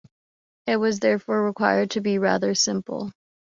It was therefore required to be rather simple.